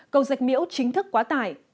cầu dạch miễu chính thức quá tải